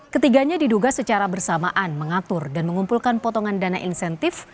ketiganya diduga secara bersamaan mengatur dan mengumpulkan potongan dana insentif